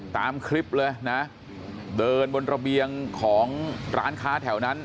ตามคลิปเลยนะเดินบนระเบียงของร้านค้าแถวนั้น